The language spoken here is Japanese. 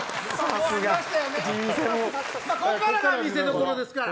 ここからが見せどころですから。